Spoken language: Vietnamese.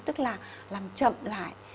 tức là làm chậm lại